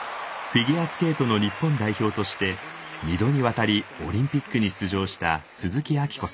フィギュアスケートの日本代表として２度にわたりオリンピックに出場した鈴木明子さん。